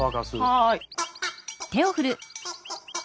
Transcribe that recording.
はい。